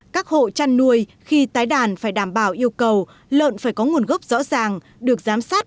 các hộ chăn nuôi khi tái đàn phải đảm bảo yêu cầu lợn phải có nguồn gốc rõ ràng